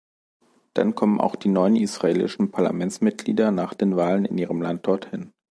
Dann kommen auch die neuen israelischen Parlamentsmitglieder nach den Wahlen in ihrem Land dorthin.